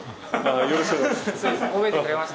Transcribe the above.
よろしくお願いします。